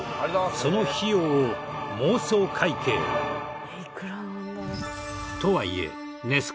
その費用を妄想会計！とはいえネス